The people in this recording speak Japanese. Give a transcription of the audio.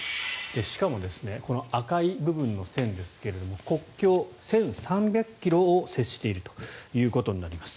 しかも、赤い部分の線ですが国境１３００ｋｍを接しているということになります。